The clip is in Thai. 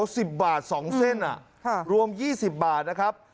สิบบาทสองเส้นอ่ะค่ะรวมยี่สิบบาทนะครับ